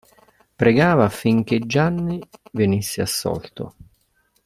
Pregava affinché Gianni venisse assolto.